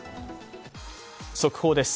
速報です。